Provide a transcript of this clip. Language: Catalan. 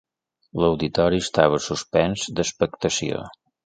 L'auditori estava suspens d'expectació.